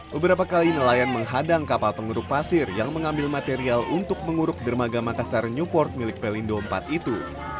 beberapa kali nelayan menghadang kapal penguruk pasir yang mengambil material untuk menguruk dermaga makassar newport milik pelindo iv itu